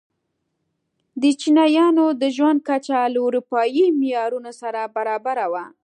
د چینایانو د ژوند کچه له اروپايي معیارونو سره برابره وه.